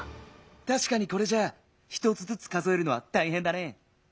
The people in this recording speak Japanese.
たしかにこれじゃあ１つずつ数えるのはたいへんだね。